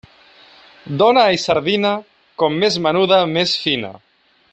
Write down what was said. Dona i sardina, com més menuda més fina.